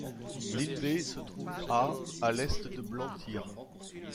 Limbe se trouve à à l'est de Blantyre.